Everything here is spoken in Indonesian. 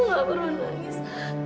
aku gak perlu nangis